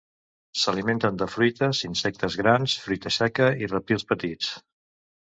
S'alimenten de fruites, insectes grans, fruita seca i rèptils petits.